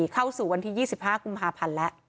เข้าสู่วันที่๒๕กุมภาพันธ์แล้ว